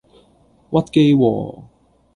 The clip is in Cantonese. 屈機喎!